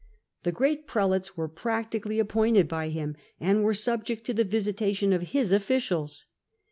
The great prelates were practically appointed by him, and were subject to the visitation of his officials.